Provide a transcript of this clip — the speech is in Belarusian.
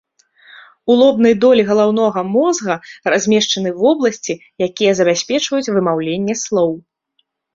У лобнай долі галаўнога мозга размешчаны вобласці, якія забяспечваюць вымаўленне слоў.